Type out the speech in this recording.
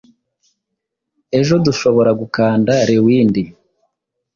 Ejo dushobora gukanda rewindi